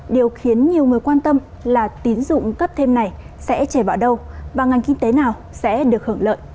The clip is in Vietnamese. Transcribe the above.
điều khiến nhiều người quan tâm là tín dụng cấp thêm này sẽ trẻ bỏ đâu và ngành kinh tế nào sẽ được hưởng lợi